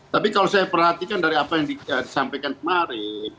tapi kalau saya perhatikan dari apa yang disampaikan kemarin